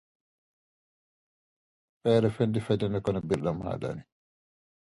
It is also a frequent pastime at fairs, birthday parties, and picnics.